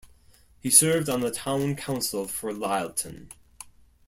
He served on the town council for Lyleton.